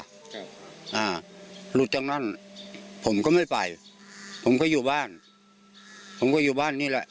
ครับอ่าหลุดจากนั้นผมก็ไม่ไปผมก็อยู่บ้านผมก็อยู่บ้านนี่แหละ